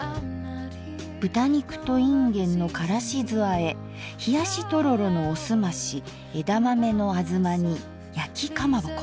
「豚肉といんげんのからし酢あえ」「ひやしとろろのおすまし」「枝豆のあづま煮」「やきかまぼこ」。